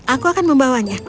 aku akan membawanya